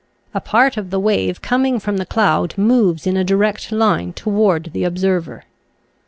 A part of the wave coming from the cloud moves in a direct line toward the observer.